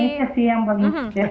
indonesia sih yang paling